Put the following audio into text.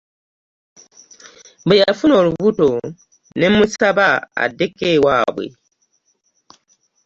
Bwe yafuna olubuto ne mmusaba addeko ewaabwe.